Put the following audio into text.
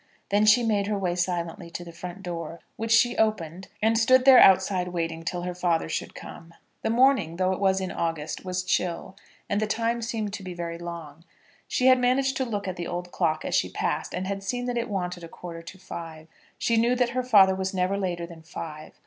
Then she made her way silently to the front door, which she opened, and stood there outside waiting till her father should come. The morning, though it was in August, was chill, and the time seemed to be very long. She had managed to look at the old clock as she passed, and had seen that it wanted a quarter to five. She knew that her father was never later than five.